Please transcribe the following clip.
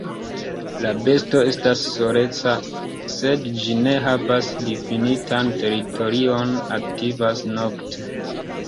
La besto estas soleca, sed ĝi ne havas difinitan teritorion, aktivas nokte.